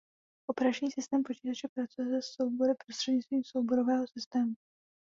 Operační systém počítače pracuje se soubory prostřednictvím souborového systému.